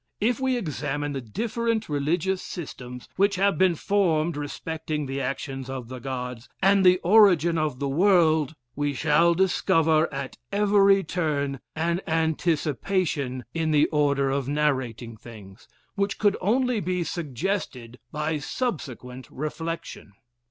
If we examine the different religious systems which have been formed respecting the actions of the Gods, and the origin of the world, we shall discover at every turn an anticipation in the order of narrating things, which could only be suggested by subsequent reflection.